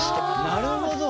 なるほど！